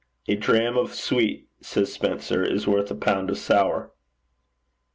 "A dram of sweet," says Spenser, "is worth a pound of sour."'